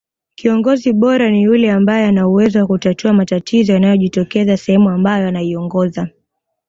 kiongozi bora ni yule ambae ana uwezo wa kutatua matatizo yanayojitokeza sehemu ambayo anaiongoza